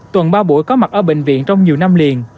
tuần ba buổi có mặt ở bệnh viện trong nhiều năm liền